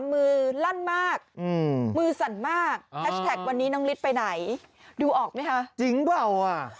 มือรั่นมากมือสั่นมากเมื่อนี้นังลีซไปไหนดูออกมั้ยคะจริงเปล่า